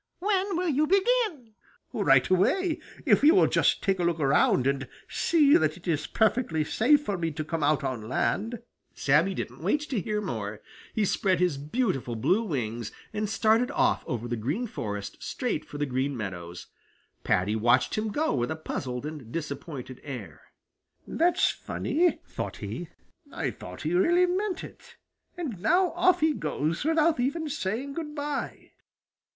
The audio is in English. "When will you begin?" "Right away, if you will just take a look around and see that it is perfectly safe for me to come out on land." Sammy didn't wait to hear more. He spread his beautiful blue wings and started off over the Green Forest straight for the Green Meadows. Paddy watched him go with a puzzled and disappointed air. "That's funny," thought he. "I thought he really meant it, and now off he goes without even saying good by."